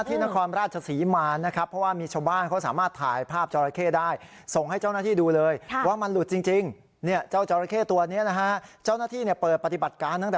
ที่นครราชสีมานะครับเพราะว่ามีชาวบ้าน